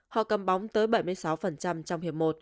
họ cầm bóng tới bảy mươi sáu trong hiệp một